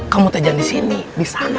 kamu terjang di sini di sana